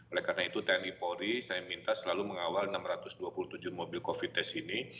oleh karena itu tni polri saya minta selalu mengawal enam ratus dua puluh tujuh mobil covid test ini